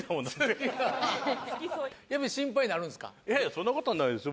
そんなことはないですよ